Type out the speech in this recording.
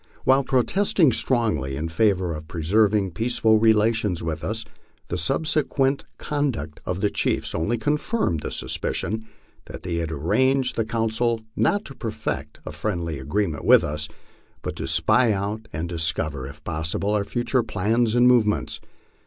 While protesting strongly in favor of preserving peaceful relations with us, the subsequent con duct of the chiefs only confirmed the suspicion that they had arranged the council not to perfect a friendly agreement with us, but to spy out and discover, if possible, our future plans and movements.